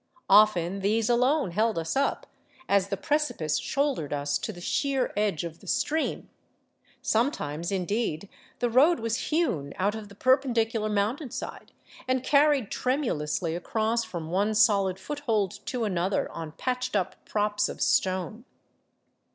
Often these alone held us up, as the precipice shouldered us to the sheer edge of the stream; sometimes, indeed, the road was hewn out of the perpendicular mountainside and carried tremulously across from one solid foothold to another on patched up props of stone.